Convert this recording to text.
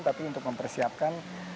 tapi untuk mempersiapkan